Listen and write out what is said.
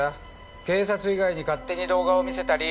警察以外に勝手に動画を見せたり。